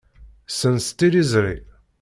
Ssens tiliẓri.